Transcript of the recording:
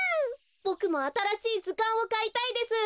ボクもあたらしいずかんをかいたいです。